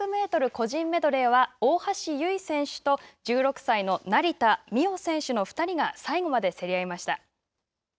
個人メドレーは大橋悠依選手と１６歳の成田実生選手の２人が最後まで競り合いました。